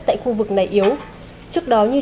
tại khu vực này yếu trước đó như